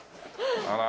あら。